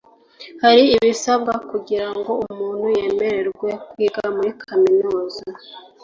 hari ibisabwa kugira ngo umuntu yemererwe kwiga muri kaminuza